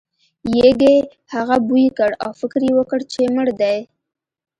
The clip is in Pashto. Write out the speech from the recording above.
یږې هغه بوی کړ او فکر یې وکړ چې مړ دی.